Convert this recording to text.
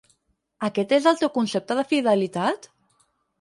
Aquest és el teu concepte de fidelitat?